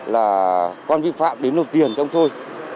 là con vi phạm đến lúc tiền chống thôi